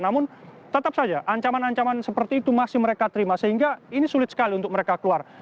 namun tetap saja ancaman ancaman seperti itu masih mereka terima sehingga ini sulit sekali untuk mereka keluar